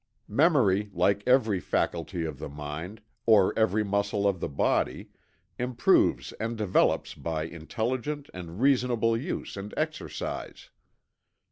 Memory, like every faculty of the mind, or every muscle of the body, improves and develops by intelligent and reasonable use and exercise.